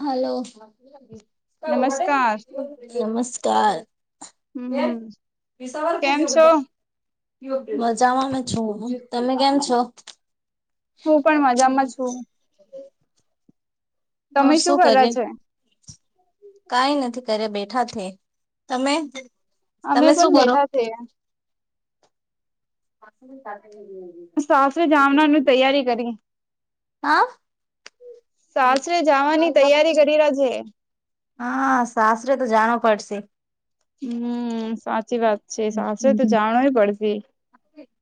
[inaudible] નમસ્કાર હલો નમસ્કાર. હમ [inaudible] કેમ છો મજામાં મે છું, તમે કેમ છો? હું પણ મજામાં છું [unintelligible] ઓર તમે શું કરે કર્યા છે. કઈ નથી કરે બેઠા થી તમે? અમે તમે પણ શું કરો બેઠા છીએ. [inaudible] સાફે જામના ન તૈયારી કરી. હા [inaudible] સાસરે જવાની તૈયારી કરી રહ્યા છે હા, સાસરે તો જાણ પડશે. હમ્મ સાચી વાત છે સાશે તો જાણો પડશે.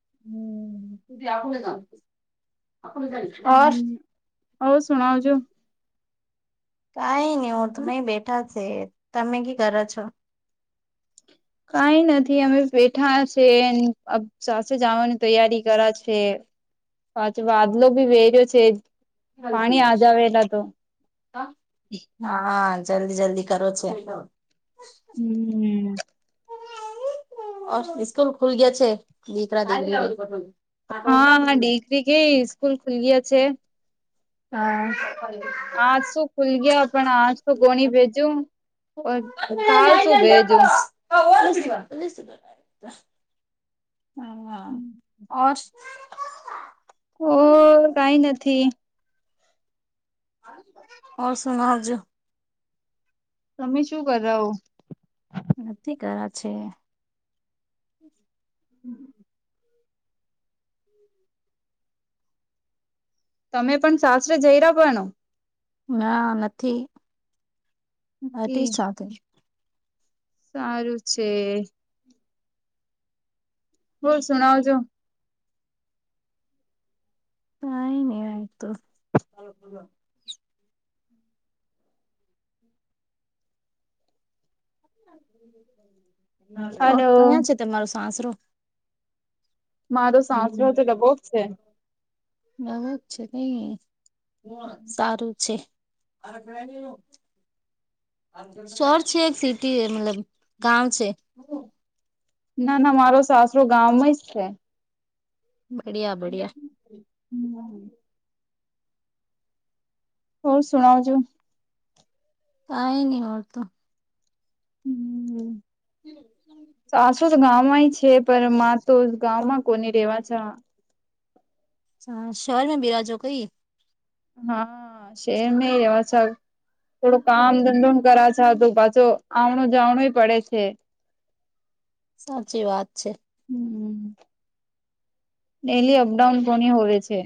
હમ્મ [inaudible] હવ શણઉ જો. કઈ નહી હું તમેય બેઠા છે તમે ક કરર છો. કઈ નથી અમે બેઠા છે સાસરે જવાની તૈયારી કરા છે. હાછ વાદલો ભી વેર્યો છે. પાણી આજ આવેલા તો હા જલ્દી જલ્દી કરો છે. હમ સ્સ્કૂલ ખુલ ગયા છે, દીકરા [inaudible] હા, દકરી ગ સ્કૂલ ખુલ્યા છે. હા આજ શું ખુલ ગયા પણ આજ તો કોણી ભેજુ. [unintelligible] [unintelligible] ઓ કઈ નથી. ઓ સુના હજુ. તમે શું કરાવ? નથી કરા છે. હમ્મ તમે પણ સાસરે જઈ રહોનો. ના નથી હ પણ સાથે. સારું છે. બોલ સુણાવજો. કઈ નહી તો. ઓ હલો તોયા છે તમારો સાસરો. મારો સાસરો જો તો ડબો જ છે. નવાક છે નઈ સારું છે. [unintelligible] શર છે એક સિટી મતલબ ગાવ છે. ના ના મારો સાસરો ગામમાં જ છે. બઢિયા બઢિયા હમ્મ. હો સુણવજો. કઈ નહી વાળતું. હમમ [unintelligible] સાચું જ ગામ સમય છે પણ, મા તો ગામમાં કોની રેવા જવાનું? શહેર મે બિરાજો કઈ? હા શહેર મે રેવા છ થોડું કામ ધંધો મ કરા-' અછા તો પાછો, આવણું જાવણું પડે છે.? સાચી વાત છે. હમ ડેલી અપડાઉન કોણી હોવે છે?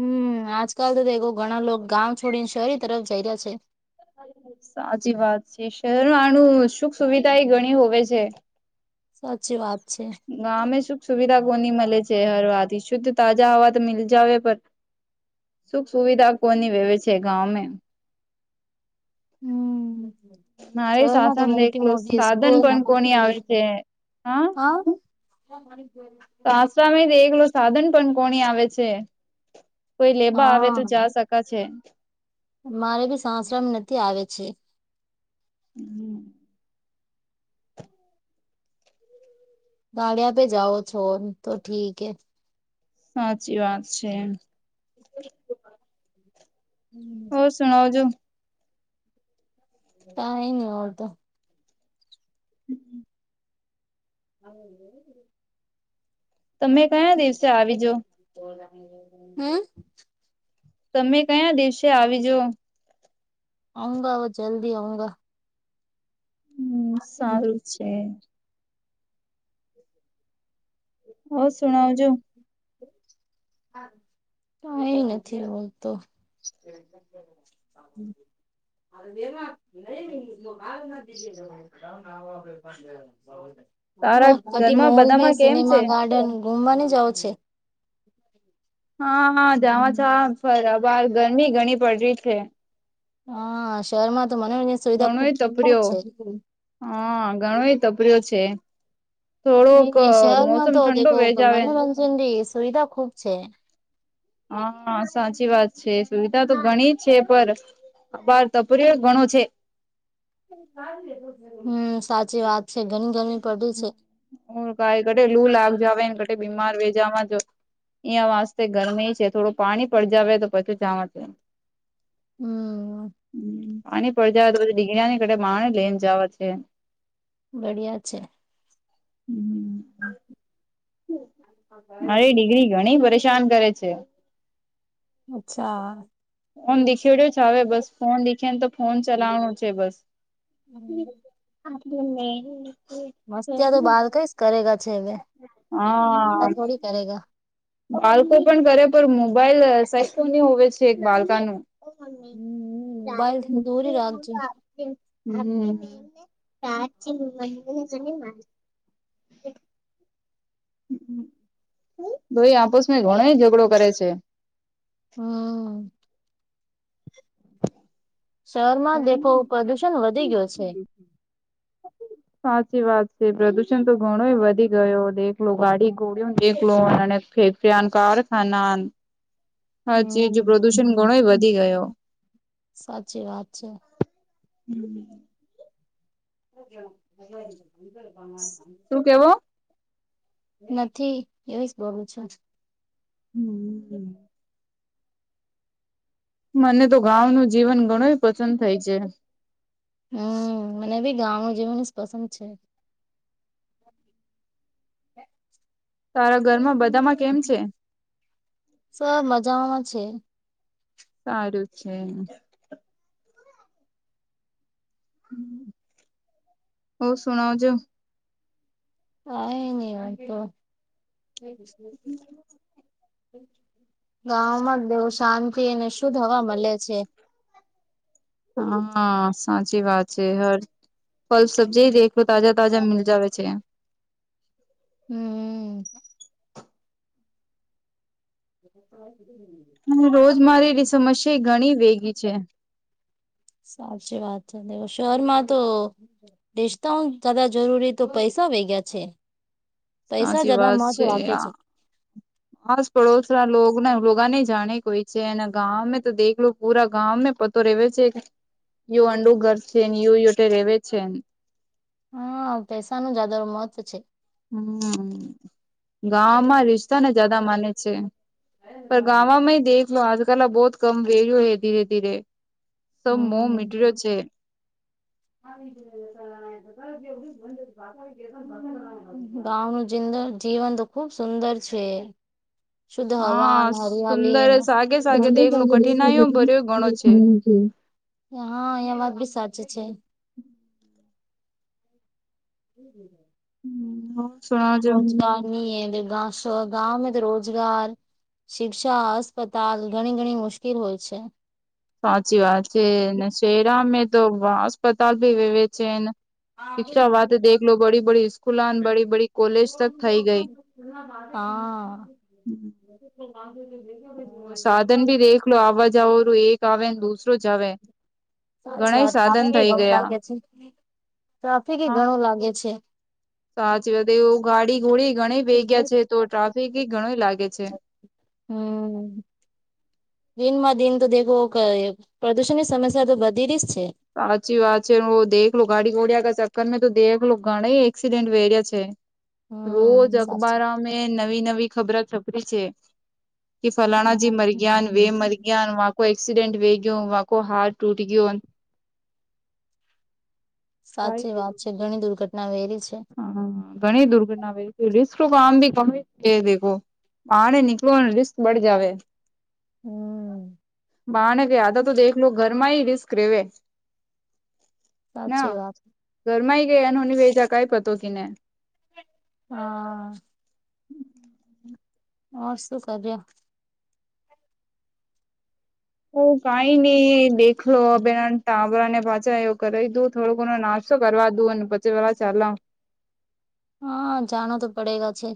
હમ આજકાલ તો, એ ઘણા લોકો ગાંવ છોડીને શહેરી તરફ જઈ રહ્યા છે. સાચી વાત છે. શહેરમાં આનું સુખ સુવિધા એ ઘણી હોવે છે. સાચી વાત છે [unintelligible] ગામ મે સુખ સુવિધા ની મળે છે હરવાથી, શુદ્ધ તાજા હવા તો મીલ જાવ પર સુખ સુવિધા કોની વેવે છે ગાવમે હમ મારે શેરમાં તો સાસા મોટી એકલું મોટી સાધન સ્કૂલ [inaudible] પણ કોની આવે છે હા? હા ઘણી તો આશામે તે એકલો સાધન પણ કોની આવે છે. કોઈ લેબા આવે હા તો જા સકા છે. મારે બી સાસરામા નથી આવે છે. હમ ગાળી આપે જાઓ છોને તો ઠીક હે સાચી વાત છે. હોર સુનાઓ જો? કાઈ ન હો તો. હમ હમ [inaudible] તમે કયા દિવસે આવીજો? હમ? તમે કયા દિવસે આવીજો? આવુંંગા જલ્દી આવુંંગા. હમ સારું છે. હ સુણાવ જો? કઈ નથી બોલતો [unintelligible] અરે બે ન ના દીજે તારા [inaudible] તિ [inaudible] ઘરમાં મોલ બધામાં કેમ છે સિનેમા ગાર્ડન ગુમને જાઉ છે. હા હા જાવા જાવા જ બાર ગરમી ઘણી પડ રહી છે. હા, શહેરમાં તો મનોરંજન સુવિધા ખુબ ઘણોય જ છે. ઘણો એ તપર્યો છે. હમ, થોડોક શહેરમાં મોસમ તો ઠંડો દેખો વેજાવે મનોરંજનની સુવિધા ખુબ છે. હા સાચી વાત છે સુવિધા તો ઘણી છે. પર આ ભાર તપર્યો ઘણો છે. [unintelligible] હમ સાચી વાત છે ઘણી ઘણી કાઈ કટે લુ લાગ જાવે આવેને ક બીમાર વેજાવા જો. અહીં વાસ્તે ગરમી છે. થોડું પાણી પડજાવે તો પછું જાવા છે. હમ પાણી પડ તોધી દિગરીયા ની ક માણા લઈને જવા છે. બઢિયા છે. હમમ અરે દિગરી ઘણી પરેશાન કરે છે. અચ્છા! ફોન દેખેડ્યો છે. હવે બસ ફોન દીખે ને તો ફોન ચલાવનો છે બસ. હમ અને મસ્તિયા તો બાર કઈશ કરેગ છે હા થોડી કરેગ. બાળકો પણ કરે પણ મોબાઈલ સાઈફની હોવે છે એક બાળકાનું હમ મોબાઈલથી દૂરી રાખજે [inaudible] હમ [inaudible] તો એ આપોસમાં ઘણો ઝઘડો કરે છે. હમ. શહેરમાં દેખો પ્રદુષણ વધી ગયો છે. વાત સાચી છે પ્રદુષણ તો ઘણો વધી ગયો દેખલો ગાડી ગોળ દેખલો અને ફે કારખાના હર ચીજ હમ પ્રદુષણ ઘણો વધી ગયો. સાચી વાત છે. હમ. શું કેવો? [unintelligible] નથી એવી જ બોલું છું. હમ હમ. મને તો ગાવ નું જીવન ઘણું પસંદ થાય છે. હમ મને ભી ગામનું જવન જ પસંદ છે. તારા ઘરમાં બધામાં કેમ છે? સબ મજામાં છે. સારું છે. હ સુણવજો કઈ નહી તો. ગામાં જ દેવું શાંતિ અને શુદ્ધ હવા મળે છે. હા સાચી વાત છે. હર ફલ સબ્જીી દખ લો તાજા તાજા મિલ જવે છે. હમ. [unintelligible] અને રોજ મારેલી સમસ્યા ઘણી વેગી છે. સાચી વાત છે, શહેર માં તો બેચતા હ જદ જરૂરી તો પૈસા આવી ગયા છે. પૈસા સાચી જ્યાદા વાત મહત્વ છે રાખે આ ખાસ પડોશ ના લોગના રગાને જાણે કોઈ છે અને ગામમે તો દેખલો પુરા ગામમે પતો ર છે યયો અંડું ઘર છે ને યયો યોટે રે છે. હા પેસા નું જદર મોત છે. હમ ગમાં રિ શ્તા જદા માને છે પર ગાવામાં દેખ લો આજ લા બહુત કમ વેું હ ધીરે ધીરે. સબ મોહ હમ. મીટર્યો છે ગાવાનું જિંદ જીવન તો ખુબ સુંદર છે. શુદ્ધ હા હવા ને સુંદર હરિયાલીન સાગે સાગે દેખલો કઠિનાઈઓ ભર્યો ઘણો છે [unintelligible] હા એિયા વાત ભી સાચી છે. હમ હમ. હમ હ રોજગાર નહી [unintelligible] ગામાં તો રોજગાર શિક્ષા, અસ્પતાલ ઘણી ઘણી મુશ્કેલ હોય છે. સાચી વાત છે શેરામાં તો અસ્પતાલ ભી વેવે છે ને શિક્ષા વાતે દેખલો લો બડી બડી સ્કૂલન બડી બડી કોલેજ તક થઈ ગઈ. હા. હમ. ઓ સાધન ભી દેખલો આવાજાવ એક આવે ને દુ હવે. અ્છા ટ્રાફિક એણું લાગે છે, ટ્રાફિક એ હા ઘણું લાગે છે. સાચી વાત તો એવું, ગાડી ઘોડી ઘણી ભેગ્યા છે. તો ટ્રાફિક ગણો લાગે છે. દિનમા, દિન તો દેખો પ્રદુષણની સમસ્યા તો વધી ર જ છે. સાચી વાત છે, દેખ લો ગાડી ઘોડિયાગ પણ મેં તો દેખલ ઘણા એક્સિડેન્ટ વેર્યા છે. હમ રોજ સાચી અખબાર, મેં નવી નવી ખબર છપરી છે. કે ફલાણાજીી, મર ગયાન વે મર ગયાન વ કો એક્સીિડેન્ટ વેગ ક કો હાર, ટૂટ ગયયો સાચી વાત છે, ઘણી દુર્ઘટના વહેરી હા, હા ગણેશ દુર્ગા ના વ આામ, ભી કમેે આડ નીકળ રિસ્ક બળ જાવ હમ બાને ક આધા, તો દેખ લો ઘરમા, હ રિસ્ક રેવે ના સાચી વાત ઘરમાંય ગયા, હની વેજા કઈ પતો કને હા હમ ઓ શું, કર્યો હ કઈ, નઈ દેખલો બે તાબરાને પાછા એવું કર દું થોડોકનો નાશ કરવા દુ, અને પછી પે ચાલ હા, જણ તો પડેગ છે.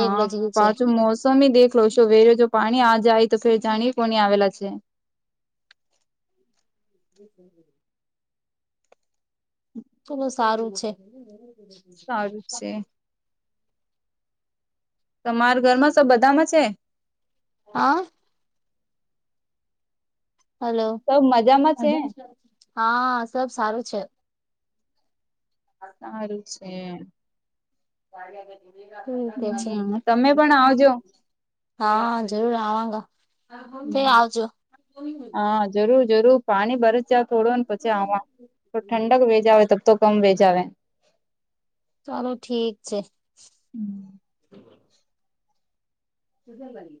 એક બજે છે પાછું મોસમી દેખલો છો, વરે જો પાણી આ જાય, તો ફે જાણીએ કોની આવેલા છે. હમ તોલો સારું છે. સારું છે તમારા ઘરમા, તો બધામાં છે. આ હલો સબ મજામાં છે હા, સબ સારું છે. સારું છે. સ આ ઠીક હ છે, હમ તમે પણ આવજો હા જરૂર આવા ગા હ હા, જરૂર જરૂર, પાણી ભરસ જાવ થોડું ને પછી આ ઠંડક વેજ આવે તો તો, કમ વેજ આવેે ચાલો ઠીક છે. ત કરી